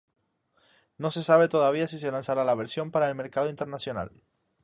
No se sabe todavía si se lanzará la versión para el mercado internacional.